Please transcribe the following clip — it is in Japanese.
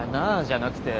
じゃなくて。